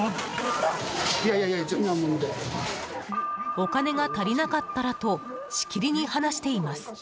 お金が足りなかったらとしきりに話しています。